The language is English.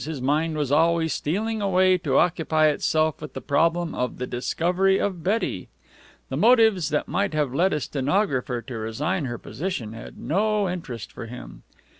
His mind was always stealing away to occupy itself with the problem of the discovery of Betty. The motives that might have led a stenographer to resign her position had no interest for him.